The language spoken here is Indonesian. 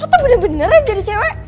lo tuh bener bener jadi cewek